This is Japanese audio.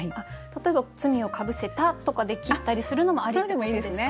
例えば「罪をかぶせた」とかで切ったりするのもありってことですか？